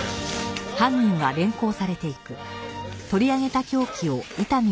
はい。